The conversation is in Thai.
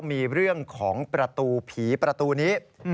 มีเรื่องของประตูผีประตูนี้